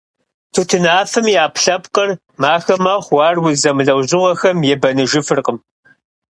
Тутынафэм и Ӏэпкълъэпкъыр махэ мэхъу, ар уз зэмылӀэужьыгъуэхэм ебэныжыфыркъым.